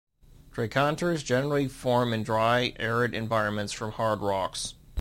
Dreikanters generally form in dry, arid environments from hard rocks.